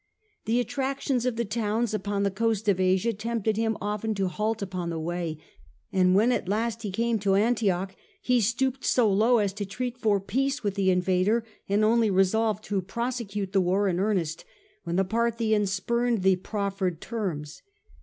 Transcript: The attractions of the towns upon the coast of Asia tempted him often to halt upon the way, and when at last he came to Antioch he stooped so low as to treat for peace with the invader, and only resolved to prosecute the war in earnest when the Parthians spurned the proffered terms.